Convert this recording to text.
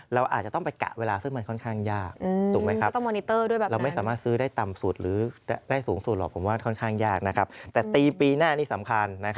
เราอาจจะต้องไปกะเวลาซึ่งมันค่อนข้างยาก